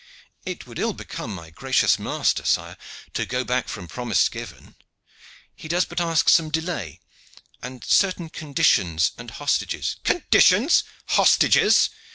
"It would ill become my gracious master, sire, to go back from promise given. He does but ask some delay and certain conditions and hostages " "Conditions! Hostages!